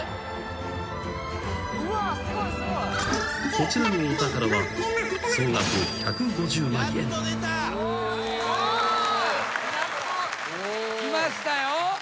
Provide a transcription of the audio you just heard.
［こちらのお宝は総額１５０万円］きましたよ。